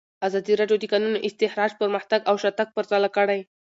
ازادي راډیو د د کانونو استخراج پرمختګ او شاتګ پرتله کړی.